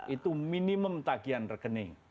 itu minimum tagian rekening